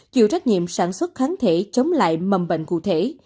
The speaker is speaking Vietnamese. chịu trách nhiệm sản xuất kháng thể chống lại mầm bệnh cụ thể